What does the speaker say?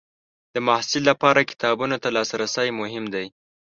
د محصل لپاره کتابونو ته لاسرسی مهم دی.